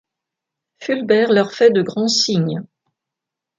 Fulbert leur fait de grands signes.